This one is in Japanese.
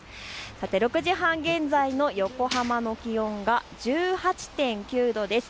６時半現在の横浜の気温が１８．９度です。